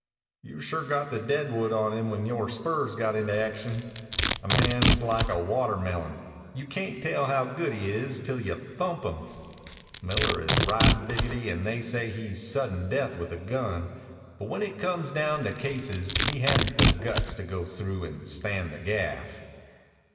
"You sure got the deadwood on him when yore spurs got into action. A man's like a watermelon. You cayn't tell how good he is till you thump him. Miller is right biggity, and they say he's sudden death with a gun. But when it come down to cases he hadn't the guts to go through and stand the gaff."